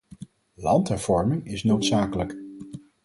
Landhervorming is noodzakelijk.